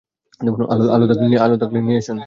আলু থাকলে নিয়ে আসুন।